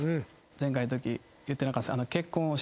前回のとき言ってなかった。